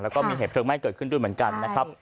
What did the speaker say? แล้วก็มีเหตุเพลิงไหม้เกิดขึ้นด้วยเหมือนกันนะครับ